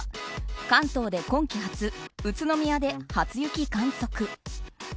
関東で今季初宇都宮で初雪観測。